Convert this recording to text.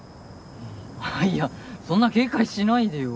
あいやそんな警戒しないでよ